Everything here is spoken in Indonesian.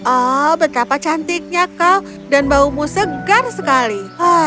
oh betapa cantiknya kau dan baumu segar sekali